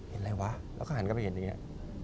อะไรวะแล้วก็หันกลับไปเห็นอย่างนี้